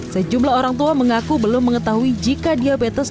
sejumlah orang tua mengaku belum mengetahui jika diabetes